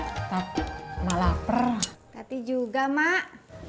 tetap malah perah tapi juga mak